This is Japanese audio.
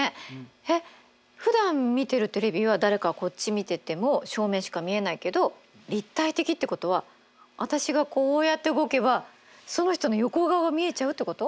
えっふだん見てるテレビは誰かがこっち見てても正面しか見えないけど立体的ってことは私がこうやって動けばその人の横顔が見えちゃうってこと？